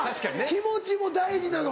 気持ちも大事なの？